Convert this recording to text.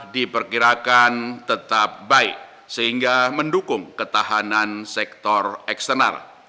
diperkirakan tetap baik sehingga mendukung ketahanan sektor eksternal